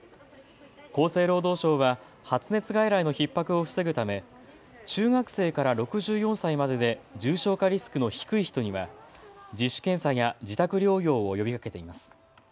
厚生労働省は発熱外来のひっ迫を防ぐため中学生から６４歳までで重症化リスクの低い人には自主検査や自宅療養を呼びかけています。